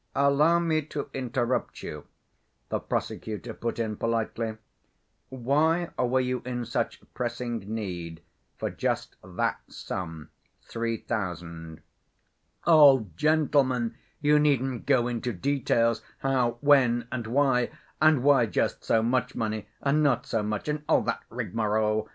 "Allow me to interrupt you," the prosecutor put in politely. "Why were you in such pressing need for just that sum, three thousand?" "Oh, gentlemen, you needn't go into details, how, when and why, and why just so much money, and not so much, and all that rigmarole.